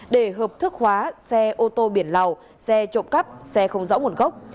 để hợp thức khóa xe ô tô biển lầu xe trộm cắp xe không rõ nguồn gốc